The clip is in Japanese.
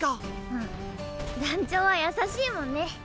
うん団長は優しいもんね。